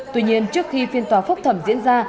tuy nhiên trước khi phiên tòa phúc thẩm diễn ra